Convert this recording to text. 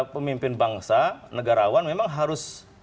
pemimpin bangsa negarawan memang harus